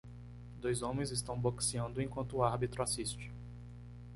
Dois homens estão boxeando enquanto o árbitro assiste.